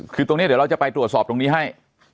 คือตรงนี้เดี๋ยวเราจะไปตรวจสอบตรงนี้ให้